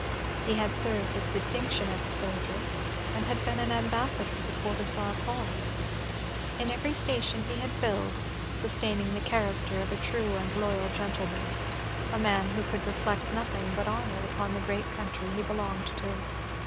He had served with distinction as a soldier, and been an ambassador at the court of the Czar Paul; in every station he had filled sustaining the character of a true and loyal gentleman, a man who could reflect nothing but honor upon the great country he belonged to.